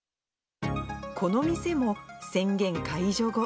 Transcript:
この店も宣言解除後。